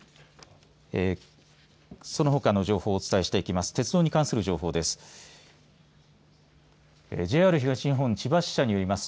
その他の情報をお伝えしていきます。